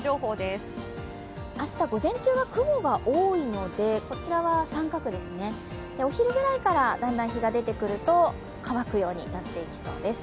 明日午前中は雲が多いのでこちらは三角ですね、お昼ぐらいからだんだん日が出てくると乾くようになっていきそうです。